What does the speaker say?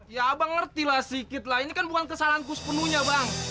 ya mengertilah sikit lah ini kan bukan kesalahanku sepenuhnya bang